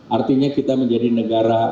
artinya kita menjadi negara